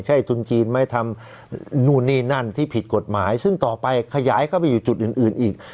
ใช่ทุนจีนไม่ทำนู่นนี่นั่นที่ผิดกฎหมายซึ่งต่อไปขยายเข้าไปอยู่จุดอื่นอื่นอีก